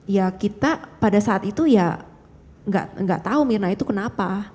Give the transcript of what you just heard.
ya kita pada saat itu ya nggak tahu mirna itu kenapa